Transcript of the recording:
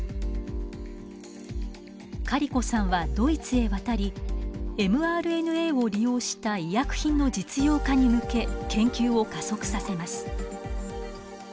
カリコさんはドイツへ渡りｍＲＮＡを利用した医薬品の実用化に向け研究を加速させます。